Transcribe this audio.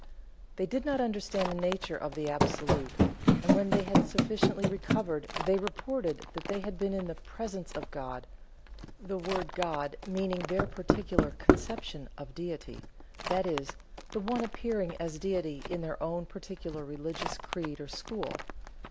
They did not understand the nature of the Absolute, and when they had sufficiently recovered they reported that they had been in the "presence of God" the word "God" meaning their particular conception of Deity that is, the one appearing as Deity in their own particular religious creed or school.